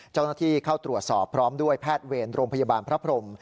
เจ้าหน้าที่เข้าตรวจสอบพร้อมด้วยแพทย์เวรโรงพยาบาลพระพรม